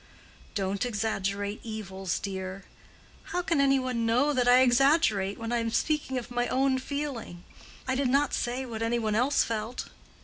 "Don't exaggerate evils, dear." "How can any one know that I exaggerate, when I am speaking of my own feeling? I did not say what any one else felt."